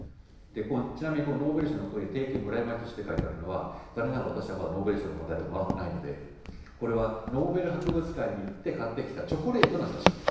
ちなみにノーベル賞のここに「提供：村山斉」って書いてあるのは残念ながら私はまだノーベル賞のメダルもらってないのでこれはノーベル博物館に行って買ってきたチョコレートの写真です。